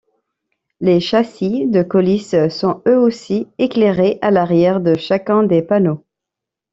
Les châssis de coulisse sont eux aussi éclairés à l'arrière de chacun des panneaux.